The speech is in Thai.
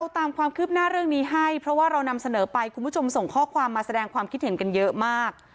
ตามความคืบหน้าเรื่องนี้ให้เพราะว่าเรานำเสนอไปคุณผู้ชมส่งข้อความมาแสดงความคิดเห็นกันเยอะมาก